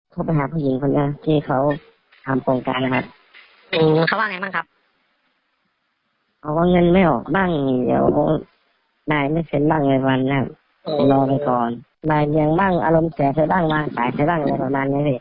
เขาไปหาผู้หญิงคนอื่นที่เขาทำโครงการนะครับ